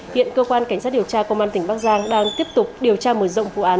hiện cơ quan cảnh sát điều tra công an tỉnh bắc giang đang tiếp tục điều tra mở rộng vụ án